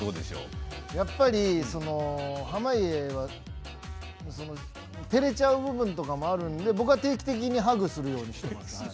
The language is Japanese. やっぱり濱家はてれちゃう部分とかもあるんで僕は定期的にハグするようにしています。